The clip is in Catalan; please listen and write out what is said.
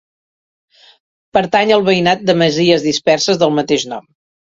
Pertany al veïnat de masies disperses del mateix nom.